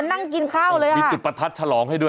นั่งกินข้าวเลยประทัดจะร้องให้ด้วย